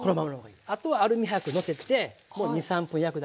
あとはアルミ箔のせてもう２３分焼くだけ。